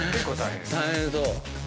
大変そう。